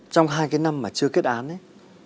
trong hai cái năm mà chưa kết án ấy